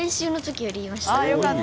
よかった！